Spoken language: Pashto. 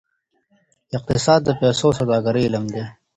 اقتصاد د پیسو او سوداګرۍ علم دی.